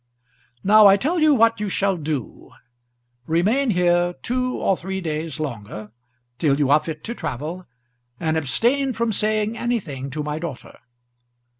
Now I tell you what you shall do. Remain here two or three days longer, till you are fit to travel, and abstain from saying anything to my daughter.